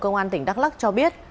công an tỉnh đắk lắc cho biết